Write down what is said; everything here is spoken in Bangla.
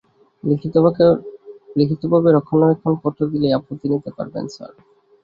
লিখিতভাবে রক্ষণাবেক্ষণ পত্র দিলেই আপনি নিতে পারবেন, স্যার।